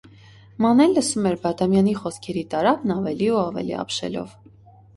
Մանեն լսում էր Բադամյանի խոսքերի տարափն ավելի ու ավելի ապշելով: